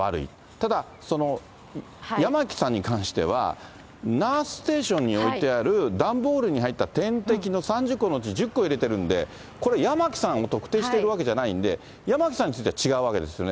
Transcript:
ただ、八巻さんに関しては、ナースステーションに置いてある、段ボールに入った点滴の３０個のうち、１０個入れてるんで、これ、八巻さんを特定しているわけじゃないんで、八巻さんについては違うわけですよね。